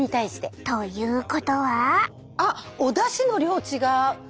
ということは？